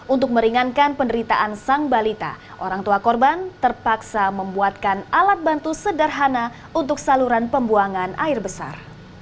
untuk meringankan penderitaan sang balita orang tua korban terpaksa membuatkan alat bantu sederhana untuk saluran pembuangan air besar